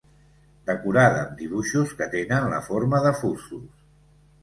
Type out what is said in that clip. Decorada amb dibuixos que tenen la forma de fusos.